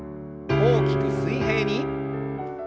大きく水平に。